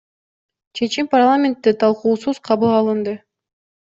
Чечим парламентте талкуусуз кабыл алынды.